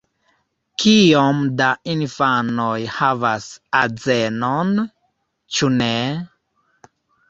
Kiom da infanoj havas azenon? Ĉu ne?